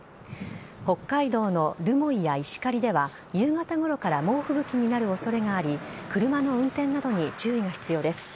北海道の留萌や石狩では夕方ごろから猛吹雪になる恐れがあり車の運転などに注意が必要です。